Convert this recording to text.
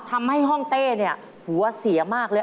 ทำให้ห้องเต้เนี่ยหัวเสียมากเลย